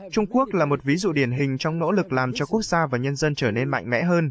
trung quốc là một ví dụ điển hình trong nỗ lực làm cho quốc gia và nhân dân trở nên mạnh mẽ hơn